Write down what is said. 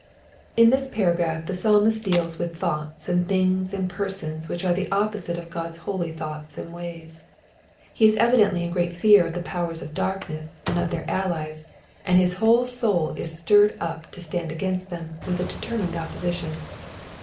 ^^ In this paragraph the Psalmist deals with thoughts and things and persons which are the opposite of God's holy thoughts and ways. He is evidently in great fear or the powers of darkness, and of their allies, and his whole soul is stirred up to stand against them with a determined opposition.